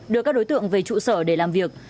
đưa các đối tượng về trụ sở để làm việc